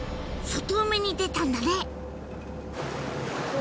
外海に出たんだね。